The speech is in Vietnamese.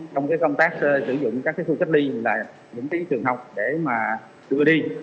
trong cái công tác sử dụng các cái khu cách ly dùng tí trường học để mà đưa đi